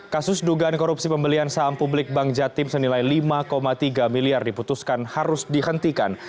kasus dugaan korupsi pembelian saham publik bank jatim senilai lima tiga miliar diputuskan harus dihentikan